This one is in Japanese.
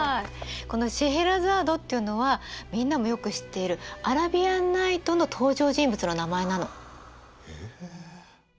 この「シェエラザード」っていうのはみんなもよく知っている「アラビアンナイト」の登場人物の名前なの。